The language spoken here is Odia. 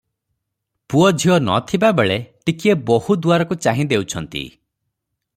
ପୁଅ ଝିଅ ନ ଥିବା ବେଳେ ଟିକିଏ ବୋହୂ ଦୁଆରକୁ ଚାହିଁ ଦେଉଛନ୍ତି ।